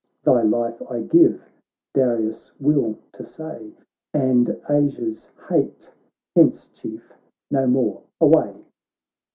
Thy life I give, Darius' will to say, And Asia's h*te — hence. Chief, no more, away